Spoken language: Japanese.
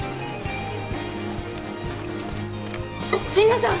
神野さん！